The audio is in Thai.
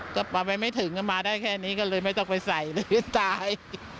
ก็มาไปไม่ถึงก็มาได้แค่นี้ก็เลยไม่ต้องไปใส่เลยตาย